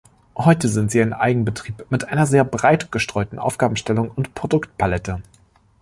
Heute sind sie ein Eigenbetrieb mit einer sehr breit gestreuten Aufgabenstellung und Produktpalette.